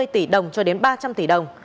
hai mươi tỷ đồng cho đến ba trăm linh tỷ đồng